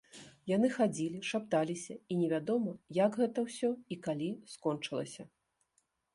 Яны хадзілі, шапталіся, і невядома як гэта ўсё і калі скончылася.